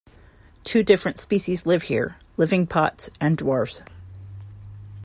Two different species live here, living pots and dwarves.